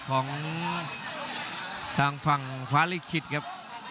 ของทางฝั่งฟ้าลิขิตครับ